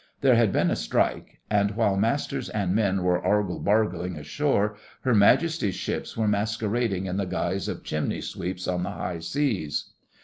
There had been a strike, and while masters and men were argle bargling ashore Her Majesty's ships were masquerading in the guise of chimney sweeps on the high seas.